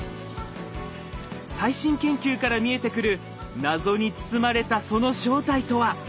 最新研究から見えてくる謎に包まれたその正体とは？